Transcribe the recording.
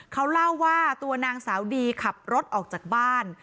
เขาเล่าว่าตัวนางสาวดีขับรถออกจากบ้าน